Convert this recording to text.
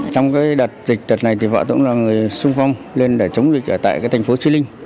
trong đợt dịch đợt này thì vợ tôi cũng là người xung phong lên để chống dịch ở tại thành phố chí linh